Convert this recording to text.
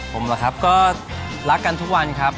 ผมหรอกครับก็รักกันทุกวันครับ